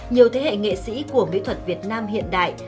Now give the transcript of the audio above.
nhiều thế hệ nghệ sĩ của mỹ thuật việt nam hiện đại